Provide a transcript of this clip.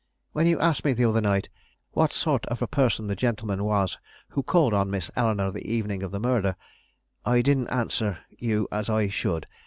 When you asked me the other night what sort of a person the gentleman was who called on Miss Eleanore the evening of the murder, I didn't answer you as I should.